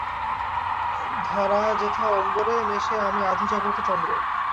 ধরা যেথা অম্বরে মেশে আমি আধো-জাগ্রত চন্দ্র।